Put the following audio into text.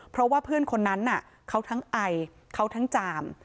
เพราะว่าเพื่อนคนนั้นเขาทั้งไอเขาทั้งจาม